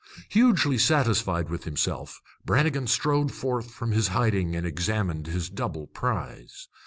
Hugely satisfied with himself, Brannigan strode forth from his hiding and examined his double prize.